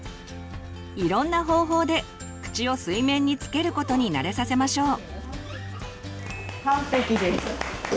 いろんな方法で口を水面につけることに慣れさせましょう。